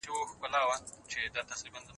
منظم معاينه د ښځې ساتنه ده